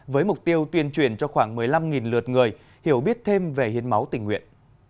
với mục tiêu tuyên truyền cho khoảng một mươi năm lượt người hiểu biết thêm về hiến máu tình nguyện